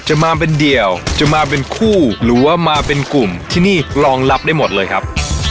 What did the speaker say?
มาเป็นเดี่ยวจะมาเป็นคู่หรือว่ามาเป็นกลุ่มที่นี่รองรับได้หมดเลยครับ